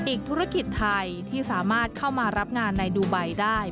อีกธุรกิจไทยที่สามารถเข้ามารับงานในดูไบได้